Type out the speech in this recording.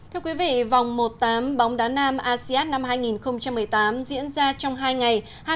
thưa quý vị vòng một tám bóng đá nam asean năm hai nghìn một mươi tám diễn ra trong hai ngày